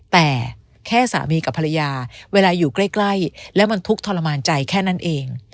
แต่แค่สามีกับภรรยาเวลาอยู่ใกล้แล้วมันทุกข์ทรมานใจแค่นั้นเอง